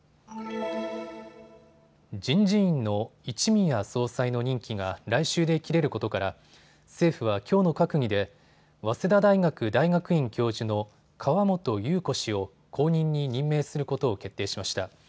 人事院の一宮総裁の任期が来週で切れることから政府はきょうの閣議で早稲田大学大学院教授の川本裕子氏を後任に任命することを決定しました。